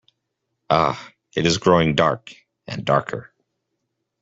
Ah, it is growing dark and darker.